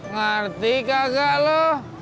ngerti kakak lo